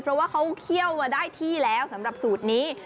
เพราะว่าเขาเคี่ยวมาได้ที่แล้วสำหรับสูตรนี้